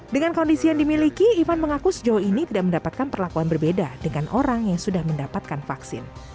dengan kondisi yang dimiliki ivan mengaku sejauh ini tidak mendapatkan perlakuan berbeda dengan orang yang sudah mendapatkan vaksin